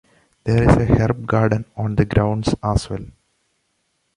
There is an Herb Garden on grounds as well.